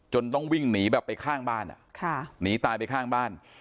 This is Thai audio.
ต้องวิ่งหนีแบบไปข้างบ้านหนีตายไปข้างบ้าน